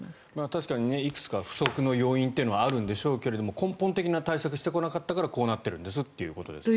確かにいくつか不測の要因というのはあるんでしょうけど根本的な対策をしてこなかったからこうなっているんですということですね。